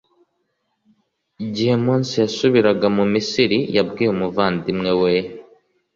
gihe mose yasubiraga mu misiri yabwiye umuvandimwe we